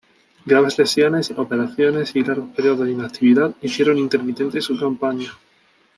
Graves lesiones, operaciones y largos períodos de inactividad hicieron intermitente su campaña.